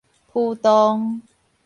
浮動